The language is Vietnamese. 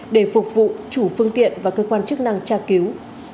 để phục vụ chủ phương tiện và cơ quan chức năng tra cứu